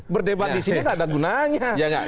berdebat disini tidak ada gunanya